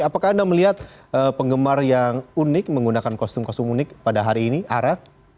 apakah anda melihat penggemar yang unik menggunakan kostum kostum unik pada hari ini arya